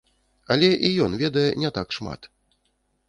Але і ён ведае не так шмат.